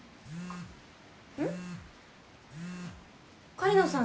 狩野さん